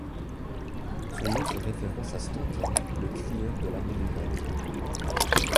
Son nom fait référence à Stentor le crieur de l'armée des grecs.